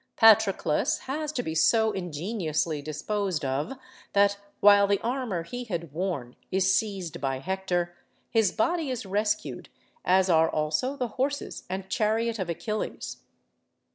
Patroclus has to be so ingeniously disposed of, that while the armour he had worn is seized by Hector, his body is rescued, as are also the horses and chariot of Achilles.